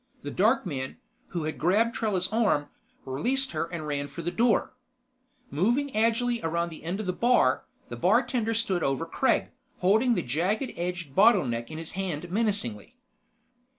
The dark man, who had grabbed Trella's arm, released her and ran for the door. Moving agilely around the end of the bar, the bartender stood over Kregg, holding the jagged edged bottleneck in his hand menacingly.